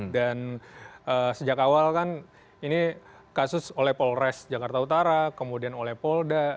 dan sejak awal kan ini kasus oleh polres jakarta utara kemudian oleh polda